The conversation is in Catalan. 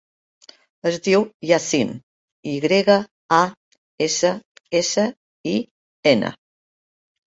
Es diu Yassin: i grega, a, essa, essa, i, ena.